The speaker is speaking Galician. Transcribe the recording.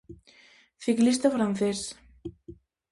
Ciclista francés.